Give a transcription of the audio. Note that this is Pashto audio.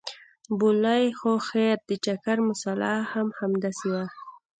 بولې خو خير ان د چکر مساله هم همداسې وه.